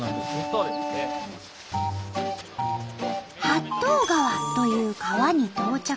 八東川という川に到着。